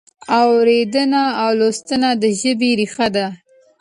اورېدنه او لوستنه د ژبې ریښې دي.